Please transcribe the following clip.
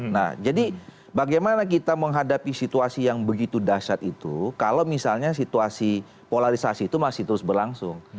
nah jadi bagaimana kita menghadapi situasi yang begitu dahsyat itu kalau misalnya situasi polarisasi itu masih terus berlangsung